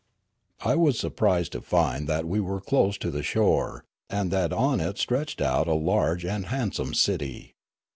I was surprised to find that we were close to the shore, and that on it stretched out a large and hand some cit}'.